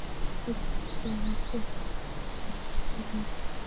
কতক কুরাইশ রাসূল সাল্লাল্লাহু আলাইহি ওয়াসাল্লাম-এর পশ্চাদ্ধাবনে যায়।